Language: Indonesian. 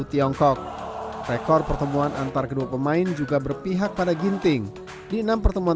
tiongkok rekor pertemuan antar kedua pemain juga berpihak pada ginting di enam pertemuan